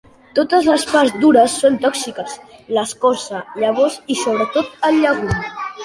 Totes les parts dures són tòxiques: l'escorça, llavors i sobretot el llegum.